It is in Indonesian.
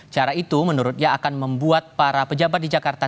cara itu menurutnya akan membuat para pejabat di jakarta